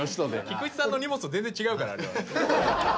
菊地さんの荷物と全然違うからあれは。